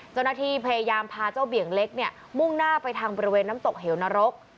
เจ้าหน้าที่พยายามพาเจ้าเบี่ยงเล็กเนี่ยมุ่งหน้าไปทางบริเวณน้ำตกเหวนรก